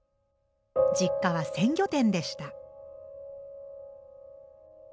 実家は鮮魚店でした。